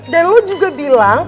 dan lo juga bilang